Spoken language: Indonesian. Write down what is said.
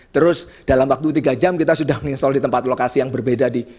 terus dalam waktu tiga jam kita sudah menyesol di tempat lokasi yang berbeda di